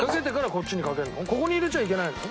ここに入れちゃいけないの？